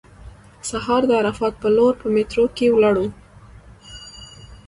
سهار د عرفات په لور په میټرو کې ولاړو.